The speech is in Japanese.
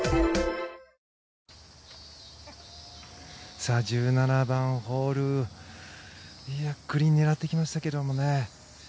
さあ、１７番ホールグリーンを狙っていきましたけどね。